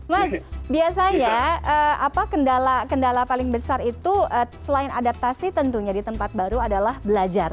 mas biasanya kendala paling besar itu selain adaptasi tentunya di tempat baru adalah belajar